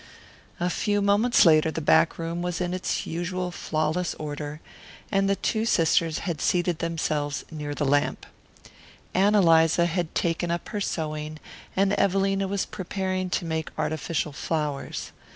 A few moments later the back room was in its usual flawless order and the two sisters had seated themselves near the lamp. Ann Eliza had taken up her sewing, and Evelina was preparing to make artificial flowers.